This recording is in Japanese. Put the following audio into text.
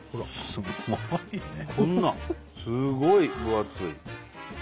すごい分厚い！